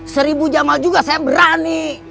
seribu jamal juga saya berani